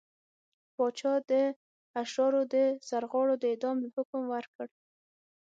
پاچا د اشرارو د سرغاړو د اعدام حکم ورکړ.